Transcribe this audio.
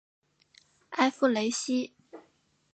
埃夫雷西。